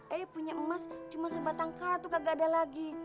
ae punya emas cuma sebatang kartu kagak ada lagi